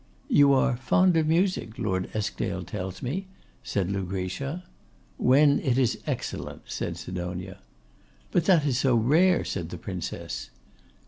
'You are fond of music, Lord Eskdale tells me?' said Lucretia. 'When it is excellent,' said Sidonia. 'But that is so rare,' said the Princess.